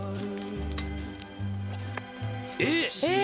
「えっ！